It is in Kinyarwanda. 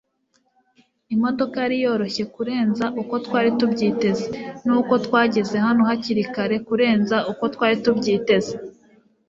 Imodoka yari yoroshye kurenza uko twari tubyiteze nuko twageze hano hakiri kare kurenza uko twari tubyiteze